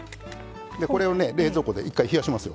これをね冷蔵庫で一回冷やします。